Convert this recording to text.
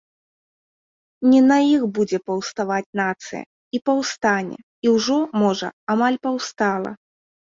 Не на іх будзе паўставаць нацыя, і паўстане, і ўжо, можа, амаль паўстала.